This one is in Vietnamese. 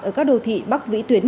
ở các đô thị bắc vĩ tuyến một mươi sáu